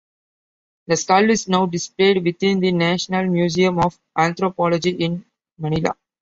The skull is now displayed within the National Museum of Anthropology in Manila.